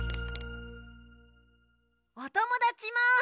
おともだちも。